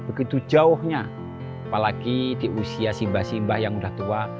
begitu jauhnya apalagi di usia simbah simbah yang udah tua